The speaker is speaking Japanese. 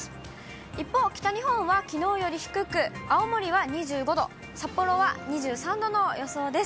一方、北日本はきのうより低く、青森は２５度、札幌は２３度の予想です。